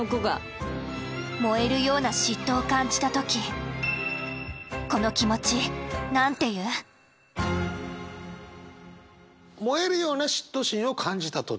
燃えるような嫉妬を感じた時燃えるような嫉妬心を感じた時。